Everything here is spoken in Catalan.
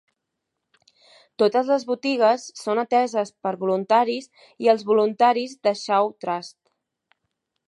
Totes les botigues són ateses per voluntaris i els voluntaris de Shaw Trust.